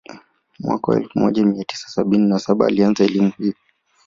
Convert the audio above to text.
Mwaka elfu moja mia tisa sabini na saba alianza elimu hiyo